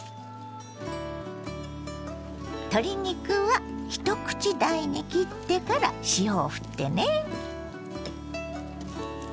鶏肉は一口大に切ってから塩をふってね。